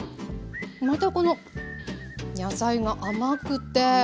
またこの野菜が甘くて。